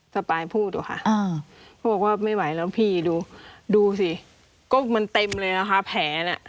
สปายพูดอะค่ะเขาบอกว่าไม่ไหวแล้วพี่ดูดูสิก็มันเต็มเลยนะคะแผลน่ะ